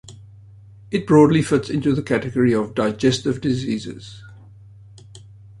It broadly fits into the category of digestive diseases.